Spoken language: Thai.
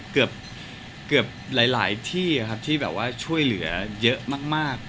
เกือบหลายที่ครับที่แบบว่าช่วยเหลือเยอะมาก